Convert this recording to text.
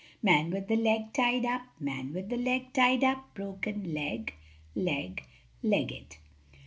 ```Man with the leg tied up, ```Man with the leg tied up, ````Broken leg leg `````Legged.